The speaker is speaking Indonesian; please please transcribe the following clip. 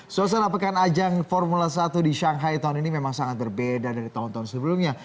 suasana pekan ajang formula satu di shanghai tahun ini memang sangat berbeda dari tahun tahun sebelumnya